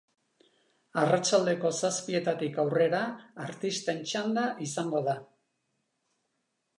Arratsaldeko zazpietatik aurrera artisten txanda izango da.